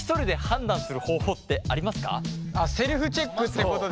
セルフチェックってことだよね？